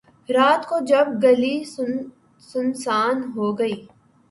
رات کو جب گلی سنسان ہو گئی